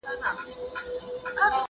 د خلکو لپاره يې خپله کړنه بېلګه وه.